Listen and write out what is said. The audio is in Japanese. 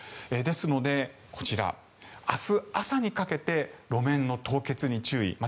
ですので、明日朝にかけて路面の凍結に注意。